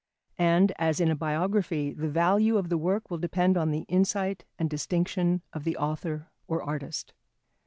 And, as in a biography, the value of the work will depend on the insight and distinction of the author or artist.